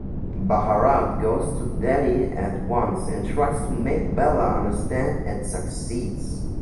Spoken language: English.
Bharat goes to Delhi at once and tries to make Bela understand and succeeds.